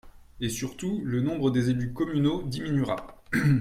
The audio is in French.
Et surtout, le nombre des élus communaux diminuera.